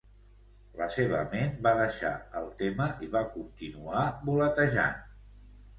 La seva ment va deixar el tema i va continuar voletejant.